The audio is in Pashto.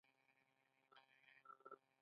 دوی ټولې نړۍ ته صادرات لري.